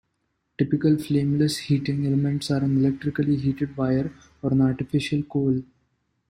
Typical flameless heating elements are an electrically heated wire or an artificial coal.